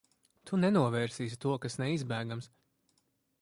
Tu nenovērsīsi to, kas neizbēgams.